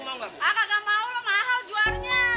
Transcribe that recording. ah kagak mau lho mahal juarnya